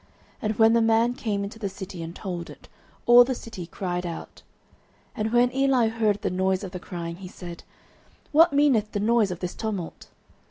And when the man came into the city, and told it, all the city cried out. 09:004:014 And when Eli heard the noise of the crying, he said, What meaneth the noise of this tumult?